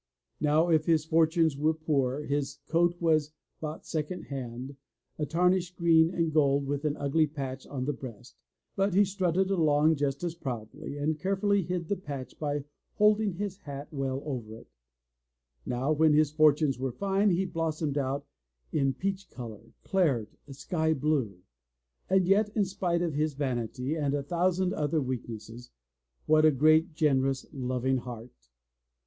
Now, if his fortunes were poor, his coat was bought second hand, a tarnished green and gold with an ugly patch on the breast, but he strutted along just as proudly and carefully hid the patch by holding his hat well over it; now, when his fortunes were fine, he blossomed out in peach color, claret, sky blue! And yet, in spite of his vanity and a thousand other weaknesses, what a great, generous, loving heart